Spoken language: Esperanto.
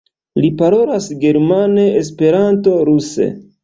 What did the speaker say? Li parolas germane, Esperante, ruse.